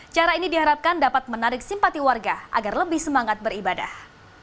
cara ini diharapkan dapat menarik simpati warga agar lebih semangat beribadah